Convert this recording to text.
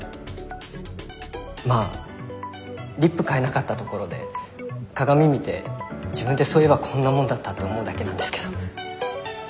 まあリップ買えなかったところで鏡見て自分ってそういえばこんなもんだったって思うだけなんですけど。